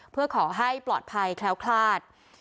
เพื่อขอให้ปลอดภัยแคล้วคลาด